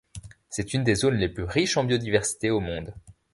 C'est une des zones les plus riches en biodiversité au monde.